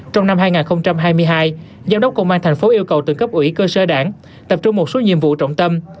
trong năm hai nghìn hai mươi hai giám đốc công an tp hcm yêu cầu từng cấp ủy cơ sở đảng tập trung một số nhiệm vụ trọng tâm